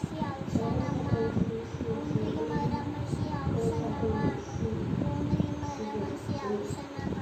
小萼菜豆树是紫葳科菜豆树属的植物。